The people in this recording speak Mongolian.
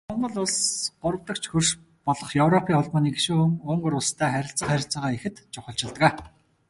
Монгол Улс гуравдагч хөрш болох Европын Холбооны гишүүн Унгар улстай харилцах харилцаагаа ихэд чухалчилдаг.